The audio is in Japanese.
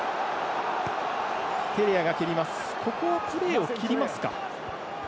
ここはプレーを切りますか。